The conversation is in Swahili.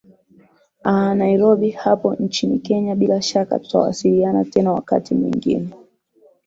aa nairobi hapo nchini kenya bila shaka tutawasiliana tena wakati mwengine